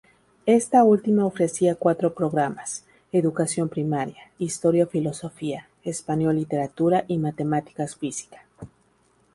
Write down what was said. Esta última ofrecía cuatro programas: Educación Primaria, Historia-Filosofía; Español-Literatura y Matemáticas-Física.